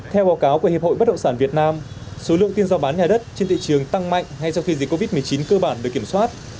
theo báo cáo của hiệp hội bất động sản việt nam số lượng tiền giao bán nhà đất trên thị trường tăng mạnh ngay sau khi dịch covid một mươi chín cơ bản được kiểm soát